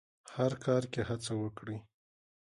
هر کار کې هڅه وکړئ.